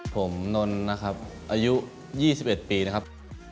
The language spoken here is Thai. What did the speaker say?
ผมนนนะครับอายุ๒๑ปีนะครับ